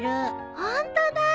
ホントだ。